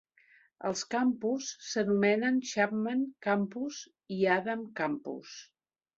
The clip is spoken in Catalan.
Els campus s'anomenen Chapman Campus i Adams Campus.